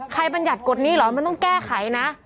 ใครปัญญัติกฎนี้เหรอมันต้องแก้ใครนะ